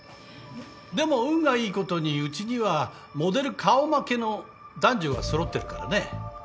でも運がいいことにうちにはモデル顔負けの男女がそろってるからね。